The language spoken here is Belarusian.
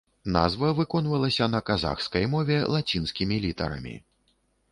Назва выконвалася на казахскай мове лацінскімі літарамі.